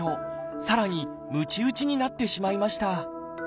さらにむち打ちになってしまいました。